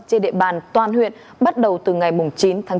trên địa bàn toàn huyện bắt đầu từ ngày chín tháng bốn